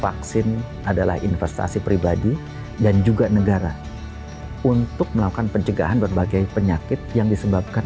vaksin adalah investasi pribadi dan juga negara untuk melakukan pencegahan berbagai penyakit yang disebabkan